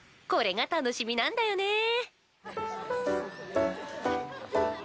これが楽しみなんだよね。